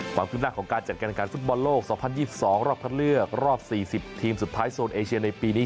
ความคืบหน้าของการจัดการการฟุตบอลโลก๒๐๒๒รอบคัดเลือกรอบ๔๐ทีมสุดท้ายโซนเอเชียในปีนี้